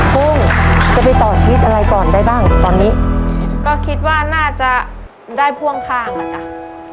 กุ้งจะไปต่อชีวิตอะไรก่อนได้บ้างตอนนี้ก็คิดว่าน่าจะได้พ่วงข้างอ่ะจ้ะ